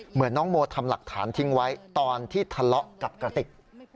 เหมือนน้องโมทำหลักฐานทิ้งไว้ตอนที่ทะเลาะกับกระติก